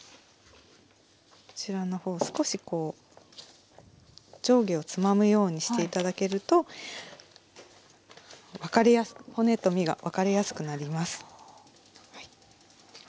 こちらの方少しこう上下をつまむようにして頂けると骨と身が分かれやすくなります。